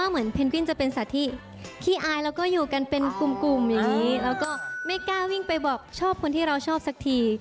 ไม่กล้าวิ่งไปบอกชอบคนที่เราชอบสักที